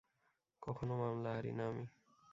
কখনো মামলা হারি না আমি।